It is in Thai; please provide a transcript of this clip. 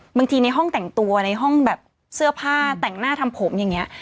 ในห้องแต่งตัวในห้องแบบเสื้อผ้าแต่งหน้าทำผมอย่างนี้